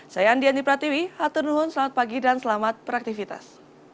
saya andi andi pratiwi hatur nuhun selamat pagi dan selamat beraktivitas